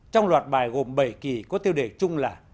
trong loạt bài gồm bảy kỳ có tiêu đề chung là